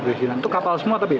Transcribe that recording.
itu kapal semua tapi